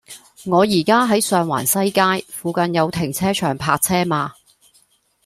我依家喺上環西街，附近有停車場泊車嗎